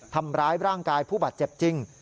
ทำร้ายร่างกายผู้บาดเจ็บจริง